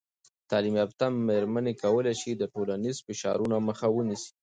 تعلیم یافته میرمنې کولی سي د ټولنیز فشارونو مخه ونیسي.